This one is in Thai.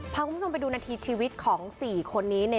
พาคุณผู้ชมไปดูนาทีชีวิตของ๔คนนี้